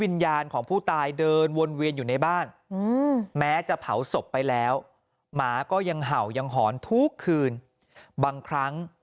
วิญญาณของผู้ตายเดินวนเวียนอยู่ในบ้านแม้จะเผาศพไปแล้วหมาก็ยังเห่ายังหอนทุกคืนบางครั้ง